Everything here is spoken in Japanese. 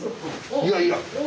いやいや。